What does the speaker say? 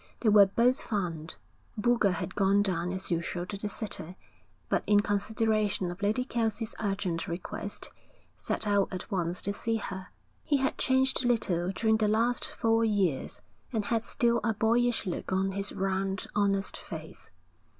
They were both found. Boulger had gone down as usual to the city, but in consideration of Lady Kelsey's urgent request, set out at once to see her. He had changed little during the last four years, and had still a boyish look on his round, honest face.